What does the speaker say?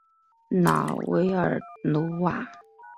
拉韦尔努瓦。